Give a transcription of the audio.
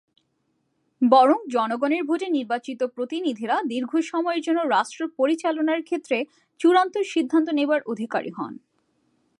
বরং জনগণের ভোটে নির্বাচিত প্রতিনিধিরা দীর্ঘ সময়ের জন্য রাষ্ট্র পরিচালনার ক্ষেত্রে চূড়ান্ত সিদ্ধান্ত নেবার অধিকারী হন।